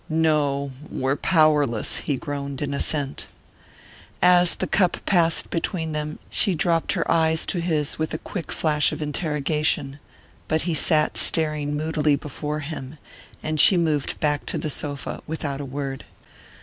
"No; we're powerless," he groaned in assent. As the cup passed between them she dropped her eyes to his with a quick flash of interrogation; but he sat staring moodily before him, and she moved back to the sofa without a word.